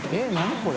これ。